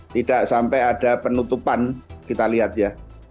tidak sampai ada penutupan kita lihat ya